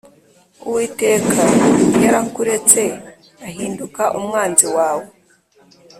Uwiteka yarakuretse ahinduka umwanzi wawe .